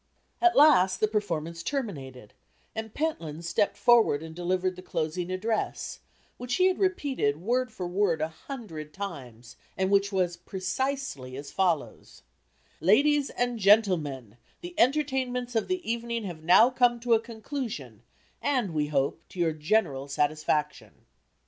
At last, the performance terminated and Pentland stepped forward and delivered the closing address, which he had repeated, word for word, a hundred times, and which was precisely as follows: "Ladies and Gentlemen: The entertainments of the evening have now come to a conclusion, and, we hope, to your general satisfaction."